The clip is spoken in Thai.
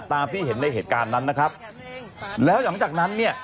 ตามที่เห็นในเหตุการณ์นั้นนะครับแล้วหลังจากนั้นเนี่ย